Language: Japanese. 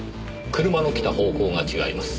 車の来た方向が違います。